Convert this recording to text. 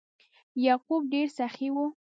یعقوب ډیر سخي و.